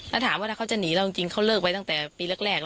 ถ้าถามว่าถ้าเขาจะหนีเราจริงเขาเลิกไปตั้งแต่ปีแรก